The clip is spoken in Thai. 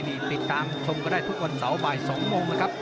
นี่ติดตามชมก็ได้ทุกวันเสาร์บ่าย๒โมงนะครับ